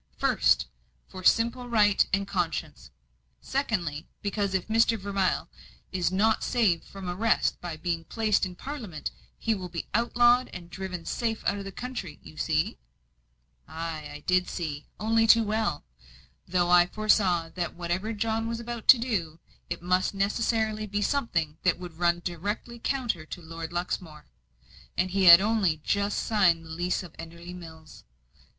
First, for simple right and conscience; secondly, because if Mr. Vermilye is not saved from arrest by being placed in Parliament, he will be outlawed and driven safe out of the country. You see?" Ay, I did, only too well. Though I foresaw that whatever John was about to do, it must necessarily be something that would run directly counter to Lord Luxmore and he had only just signed the lease of Enderley Mills.